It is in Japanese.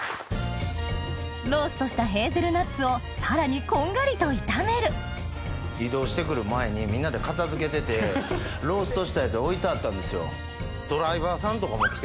ローストしたヘーゼルナッツをさらにこんがりと炒める移動して来る前にみんなで片付けててローストしたやつ置いてあったんですよ。